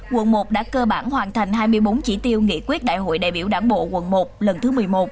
quận một đã cơ bản hoàn thành hai mươi bốn chỉ tiêu nghị quyết đại hội đại biểu đảng bộ quận một lần thứ một mươi một